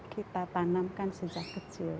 kita tanamkan sejak kecil